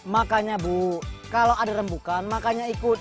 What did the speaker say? makanya bu kalau ada rembukan makanya ikut